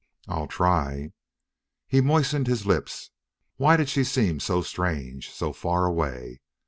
"I'll try." He moistened his lips. Why did she seem so strange, so far away?